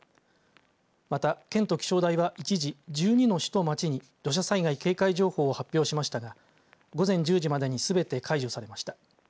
また、県と気象台は一時１２の市と町に土砂災害警戒情報を発表しましたが午前１０時までにすべて解除されました。